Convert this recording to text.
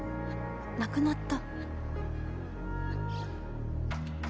亡くなった。